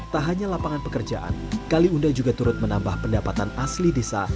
tak hanya lapangan pekerjaan kaliunda juga turut menambah pendapatan asli desa